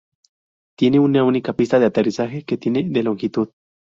Tiene una única pista de aterrizaje que tiene de longitud.